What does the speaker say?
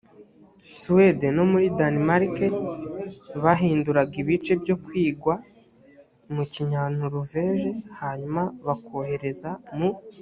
suwede no muri danimarike bahinduraga ibice byo kwigwa mu kinyanoruveje hanyuma bakohereza mu